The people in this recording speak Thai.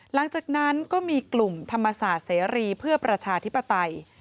หลังจากนั้นก็มีกลุ่มธรรมศาสตร์เสรีเพื่อประชาธิปไตย